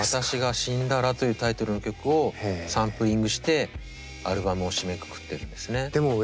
私が死んだらというタイトルの曲をサンプリングしてアルバムを締めくくってるんですね。